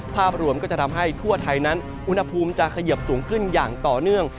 ภาพรวมก็จะทำให้ทั่วไทยนั้นอุณหภูมิจะเขยิบสูงขึ้นอย่างต่อเนื่อง